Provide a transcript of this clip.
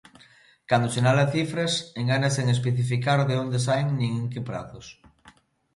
Cando sinala cifras, engana sen especificar de onde saen nin en que prazos.